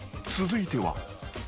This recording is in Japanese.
続いては］